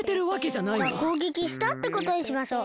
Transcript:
じゃあこうげきしたってことにしましょう。